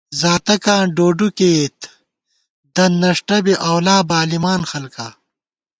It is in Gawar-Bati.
زاتَکاں ڈوڈُو کېئیت دن نݭٹہ بی اَولا بالِمان خلکا